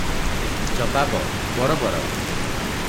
ଜବାବ - ବରୋବର ।